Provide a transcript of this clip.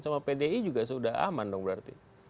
sama pdi juga sudah aman dong berarti